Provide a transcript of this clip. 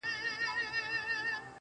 o د تکراري حُسن چيرمني هر ساعت نوې يې